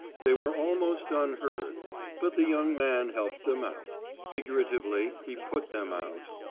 They were almost unheard; but the young man helped them out: figuratively, he put them out.